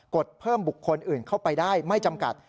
ดเพิ่มบุคคลอื่นเข้าไปได้ไม่จำกัด